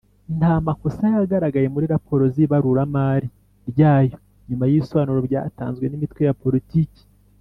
nta makosa yagaragaye muri raporo z’ibaruramari ryayo nyuma y’ibisobanuro byatanzwe n’imitwe ya politiki ;